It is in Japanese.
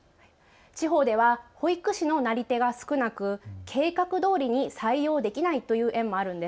地方では保育士のなり手が少なく計画どおりに採用できないという園もあるんです。